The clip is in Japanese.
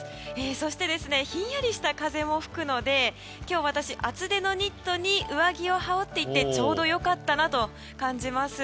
そしてひんやりした風も吹くので今日私、厚手のニットに上着を羽織っていてちょうどよかったなと感じます。